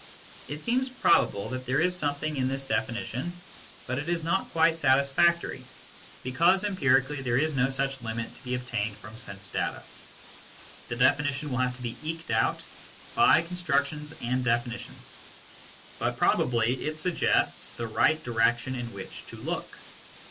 It seems probable that there is something in this definition, but it is not quite satisfactory, because em pirically there is no such limit to be obtained from sense data. The definition will have to be eked out by con structions and definitions. But probably it suggests the right direction in which to look.